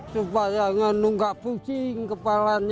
supaya nggak menunggah pusing kepalanya